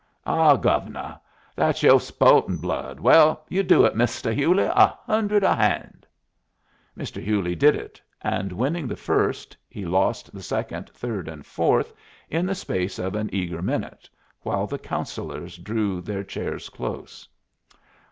"Ah, Gove'nuh, that's yoh spo'tin' blood! Will you do it, Mistuh Hewley a hun'red a hand?" Mr. Hewley did it; and winning the first, he lost the second, third, and fourth in the space of an eager minute, while the Councillors drew their chairs close.